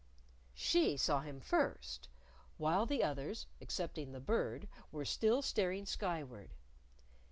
She saw him first! while the others (excepting the Bird) were still staring skyward.